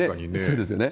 そうですよね。